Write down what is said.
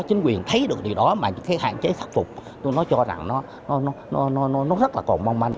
chính quyền thấy được điều đó mà những cái hạn chế khắc phục tôi nói cho rằng nó rất là còn mong manh